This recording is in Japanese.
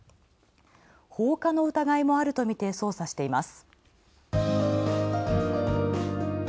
放火の疑いもあるとみて捜査しています。